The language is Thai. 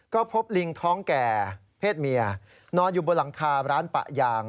ก็พบลิงท้องแก่เพศเมียนอนอยู่บนหลังคาร้านปะยาง